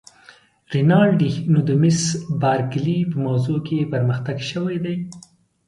رینالډي: نو د مس بارکلي په موضوع کې پرمختګ شوی دی؟